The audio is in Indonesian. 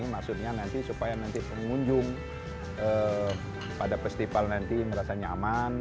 maksudnya nanti supaya nanti pengunjung pada festival nanti merasa nyaman